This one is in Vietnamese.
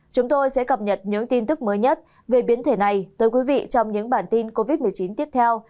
chúng tôi sẽ cập nhật những tin tức mới nhất về biến thể này tới quý vị trong những bản tin covid một mươi chín tiếp theo